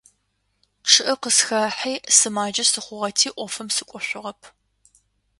ЧъыӀэ къысхэхьи, сымаджэ сыхъугъэти Ӏофым сыкӀошъугъэп.